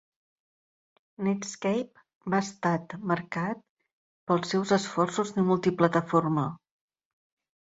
Netscape va estat marcat pels seus esforços de multi-plataforma.